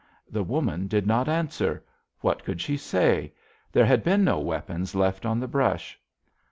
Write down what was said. "The woman did not answer. What could she say? There had been no weapons left on the brush.